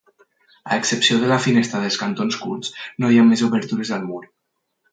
A excepció de la finestra dels cantons curts, no hi ha més obertures al mur.